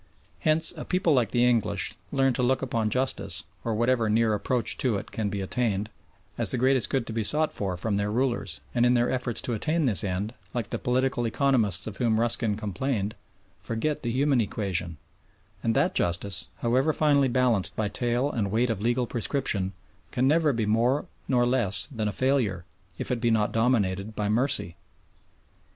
Hence a people like the English learn to look upon justice, or whatever near approach to it can be attained, as the greatest good to be sought for from their rulers and in their efforts to attain this end, like the political economists of whom Ruskin complained, forget the human equation, and that justice, however finely balanced by tale and weight of legal prescription, can never be more nor less than a failure, if it be not dominated by mercy.